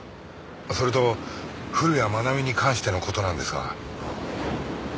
それと古谷愛美に関しての事なんですが。